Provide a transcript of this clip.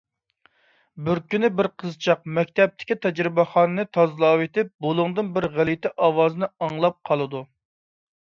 بىر كۈنى بىر قىزچاق مەكتەپتىكى تەجرىبىخانىنى تازىلاۋېتىپ بۇلۇڭدىن بىر غەلىتە ئاۋازنى ئاڭلاپ قالىدۇ.